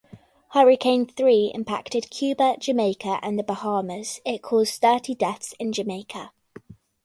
Hurricane Three impacted Cuba, Jamaica and the Bahamas; it caused thirty deaths in Jamaica.